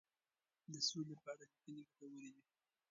د سولي په اړه لیکنې ګټورې دي.